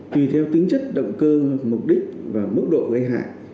tùy theo tính chất động cơ mục đích và mức độ gây hại